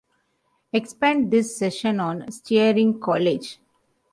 Expand this section on Sterling College.